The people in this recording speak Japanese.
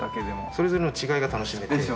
それぞれの違いが楽しめます。